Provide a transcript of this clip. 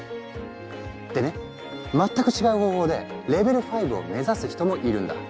でね全く違う方法でレベル５を目指す人もいるんだ。